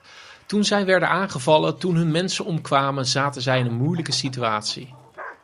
Toen zij werden aangevallen, toen hun mensen omkwamen, zaten zij in een moeilijke situatie.